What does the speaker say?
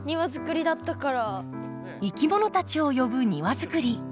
いきものたちを呼ぶ庭作り。